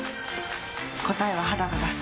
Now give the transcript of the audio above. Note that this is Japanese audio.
答えは肌が出す。